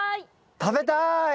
食べたい！